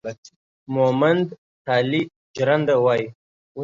مومند تالي جرنده وايي